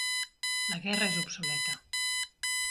La guerra és obsoleta.